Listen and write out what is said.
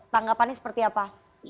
tanggapannya seperti apa